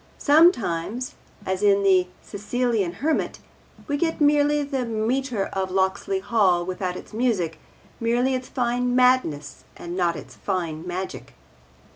Sometimes, as in The Sicilian Hermit, we get merely the metre of Locksley Hall without its music, merely its fine madness and not its fine magic.